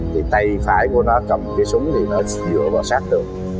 thì tay phải của nó cầm cái súng thì nó dựa vào sát được